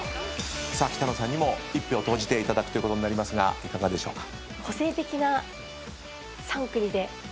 さあ北乃さんにも１票投じていただくことになりますがいかがでしょうか。